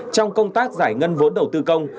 trong công tác giải ngân vốn đầu tư công